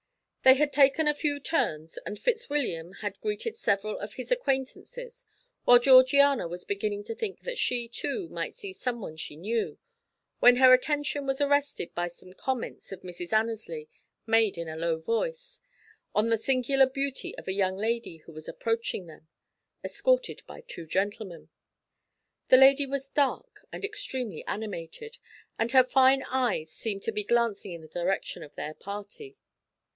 They had taken a few turns, and Fitzwilliam had greeted several of his acquaintances, while Georgiana was beginning to think that she, too, might see someone she knew, when her attention was arrested by some comments of Mrs. Annesley's, made in a low voice, on the singular beauty of a young lady who was approaching them, escorted by two gentlemen. The lady was dark and extremely animated, and her fine eyes seemed to be glancing in the direction of their party.